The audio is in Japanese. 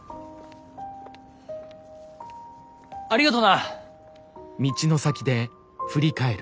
ありがとな。